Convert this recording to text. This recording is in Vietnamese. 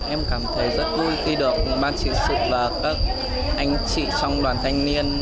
em cảm thấy rất vui khi được ban chỉ sự và các anh chị trong đoàn thanh niên